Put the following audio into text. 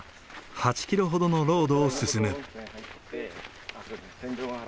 ８キロほどのロードを進む。